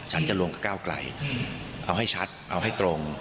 ฉันจะรวมกับก้าวไกลเอาให้ชัดเอาให้ตรง